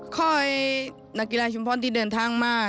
ข้อให้นักกีฬาชมพรที่เดินทางมา